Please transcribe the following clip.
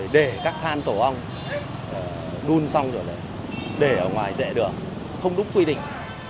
để các than tổ ong đun xong rồi để ở ngoài rẽ đường không đúng quy định